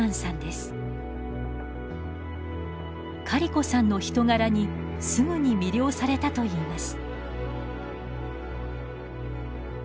カリコさんの人柄にすぐに魅了されたといいます。